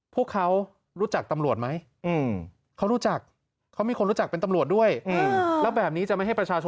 พวกเขารู้จักตำรวจไหม